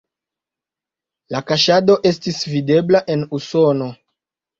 La kaŝado estis videbla en Usono.